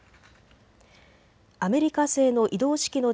アメリカ製の移動式の地